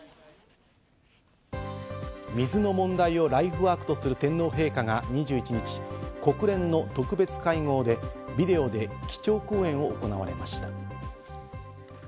水の問題をライフワークとする天皇陛下が２１日、国連の特別会合で、ビデオで基調講演を行われました。